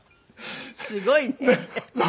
すごいね。